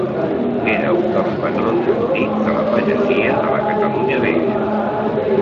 Era un dels patrons antics de la pagesia de la Catalunya Vella.